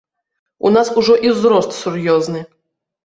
У нас ужо і ўзрост сур'ёзны.